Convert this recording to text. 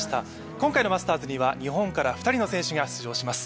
今回のマスターズには日本から２人の選手が出場します。